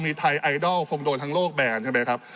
มีไทยไอดอลคงโดนทั้งโลกแบนใช่ไหมครับ